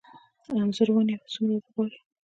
د انځر ونې څومره اوبه غواړي؟